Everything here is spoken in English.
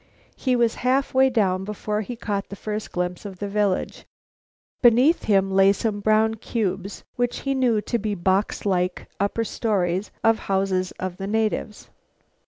He was halfway down before he caught the first glimpse of the village. Beneath him lay some brown cubes which he knew to be boxlike upper stories to the houses of the natives.